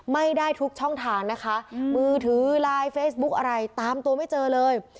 ไม่ได้ทุกช่องทางนะคะมือถือไลน์เฟซบุ๊กอะไรตามตัวไม่เจอเลย